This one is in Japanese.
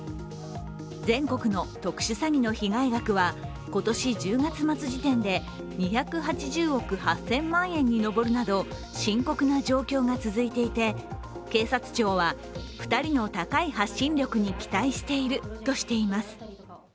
全国の特殊詐欺の被害額は今年１０月末時点で２８０億８０００万円に上るなど深刻な状況が続いていて警察庁は２人の高い発信力に期待しているとしています。